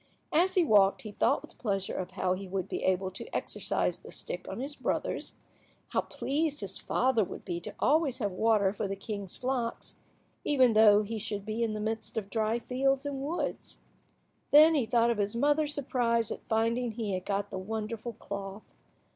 As he walked he thought with pleasure of how he would be able to exercise the stick on his brothers, and how pleased his father would be to always have water for the king's flocks, even though he should be in the midst of dry fields and woods. Then he thought of his mother's surprise at finding he had got the wonderful cloth.